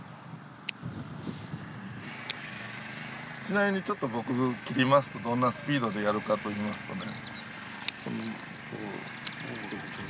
ちなみにちょっと僕切りますとどんなスピードでやるかといいますとね。